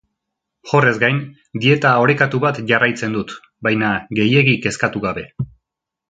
Horrez gain, dieta orekatu bat jarraitzen dut, baina gehiegi kezkatu gabe.